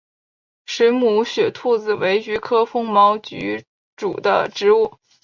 水母雪兔子为菊科风毛菊属的植物。